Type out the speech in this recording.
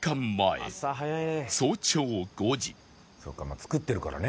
そっか作ってるからね。